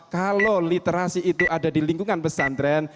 kalau literasi itu ada di lingkungan pesantren